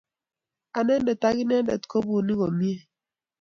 Anendet ak inendet ko bunik komye